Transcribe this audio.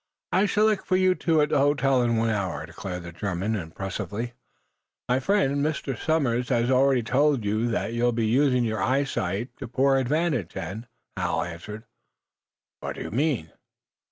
"I shall look for you two at the hotel in one hour," declared the German, impressively. "My friend, Mr. Somers, has already told you that you'll be using your eyesight to poor advantage, then," Hal answered. "What do you mean?"